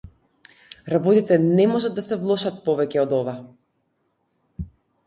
Работите не можат да се влошат повеќе од ова.